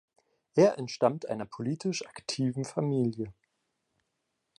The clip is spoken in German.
Er entstammt einer politisch aktiven Familie.